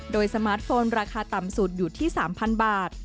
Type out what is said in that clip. โดยสมาร์ทโฟนราคาต่ำสุดอยู่ที่๓๐๐บาท